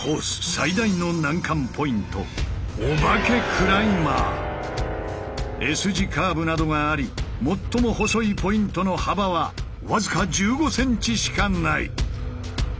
最大の難関ポイントＳ字カーブなどがあり最も細いポイントの幅は僅か１５ｃｍしかない。